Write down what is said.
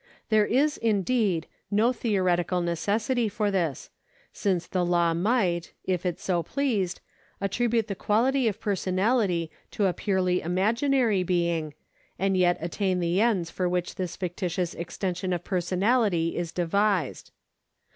There is, indeed, no theoretical necessity for this, since the law might, if it so pleased, attribute the quality of personality to a purely imaginary being, and yet attain the ends for which this fictitious extension of personality is devised.